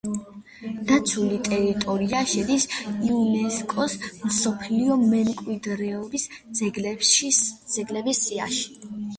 დაცული ტერიტორია შედის იუნესკოს მსოფლიო მემკვიდრეობის ძეგლების სიაში.